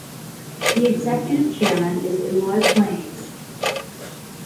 The executive chairman is Eloi Planes.